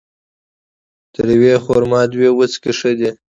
تر يوې خرما ، دوې وڅکي ښه دي